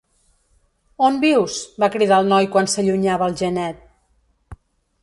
"On vius?", va cridar el noi, quan s'allunyava el genet.